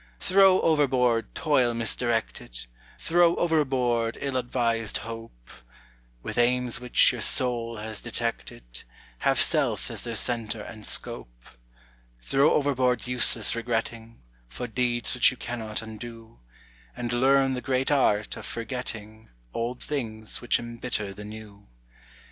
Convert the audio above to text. Throw overboard toil misdirected. Throw overboard ill advised hope, With aims which, your soul has detected, Have self as their centre and scope. Throw overboard useless regretting For deeds which you cannot undo, And learn the great art of forgetting Old things which embitter the new.